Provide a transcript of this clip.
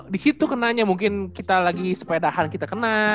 di situ kenanya mungkin kita lagi sepedahan kita kena